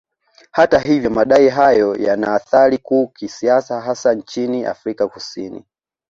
Hata hivyo madai hayo yana athari kuu kisiasa hasa nchini Afrika Kusini